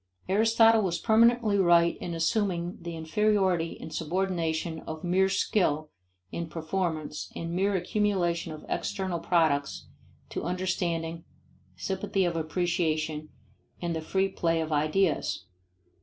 Aristotle was permanently right in assuming the inferiority and subordination of mere skill in performance and mere accumulation of external products to understanding, sympathy of appreciation, and the free play of ideas.